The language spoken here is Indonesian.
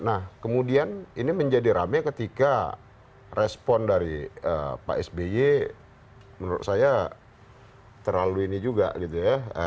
nah kemudian ini menjadi rame ketika respon dari pak sby menurut saya terlalu ini juga gitu ya